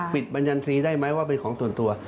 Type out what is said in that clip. บัญญันทรีย์ได้ไหมว่าเป็นของส่วนตัว